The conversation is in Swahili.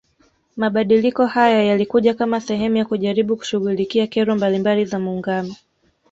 Mabadiliko haya yalikuja kama sehemu ya kujaribu kushughulikia kero mbalimbali za muungano